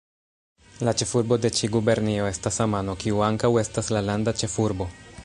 La ĉefurbo de ĉi gubernio estas Amano, kiu ankaŭ estas la landa ĉefurbo.